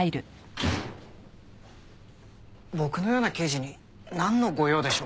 僕のような刑事になんのご用でしょうか？